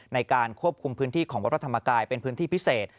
ในการควบคุมพื้นที่ของวัดพระธรรมกายเป็นพื้นที่พิเศษ